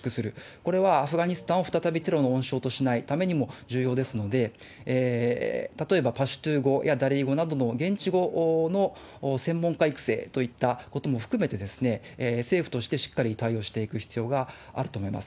これはアフガニスタンを再びテロの温床としないためにも、非常に重要ですので、例えばパシュトゥー語やダリー語といった現地語の専門家育成といったことも含めて、政府としてしっかり対応していく必要があると思います。